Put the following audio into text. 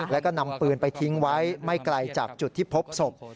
แล้วก็นำปืนไปทิ้งไว้ไม่ไกลจากจุดที่พบศพ